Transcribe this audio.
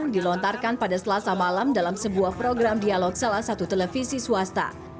dilontarkan pada selasa malam dalam sebuah program dialog salah satu televisi swasta